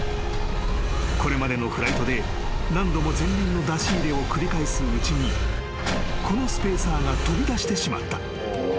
［これまでのフライトで何度も前輪の出し入れを繰り返すうちにこのスペーサーが飛び出してしまった］